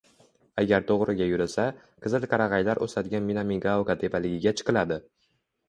Agar to`g`riga yurilsa, qizil qarag`aylar o`sadigan Minamigaoka tepaligiga chiqiladi